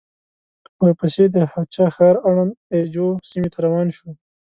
ورپسې د هه چه ښار اړوند اي جو سيمې ته روان شوو.